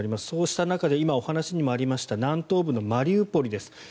そうした中で今、お話にもありました南東部のマリウポリです。